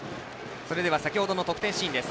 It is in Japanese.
先ほどの得点シーンです。